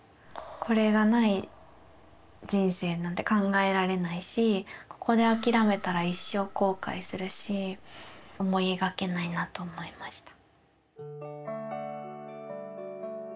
これがない人生なんて考えられないしここで諦めたら一生後悔するし思い描けないなと思いました。